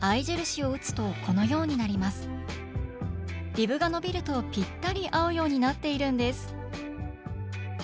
リブが伸びるとぴったり合うようになっているんです